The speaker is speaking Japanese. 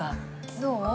どう？